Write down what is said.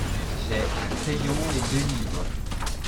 J'ai un crayon et deux livres.